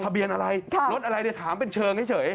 เบียนอะไรรถอะไรเนี่ยถามเป็นเชิงเฉย